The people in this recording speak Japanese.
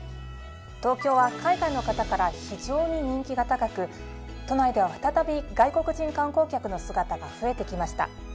東京は海外の方から非常に人気が高く都内では再び外国人観光客の姿が増えてきました。